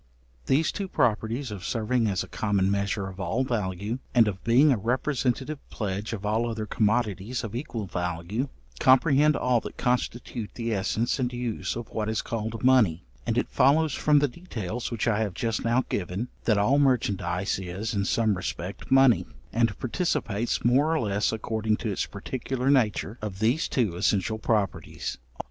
These two properties of serving as a common measure of all value, and of being a representative pledge of all other commodities of equal value, comprehend all that constitute the essence and use of what is called money; and it follows from the details which I have just now given, that all merchandize is, in some respect, money; and participates more or less, according to its particular nature, of these two essential properties.